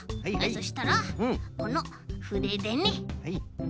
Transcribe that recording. そしたらこのふででね。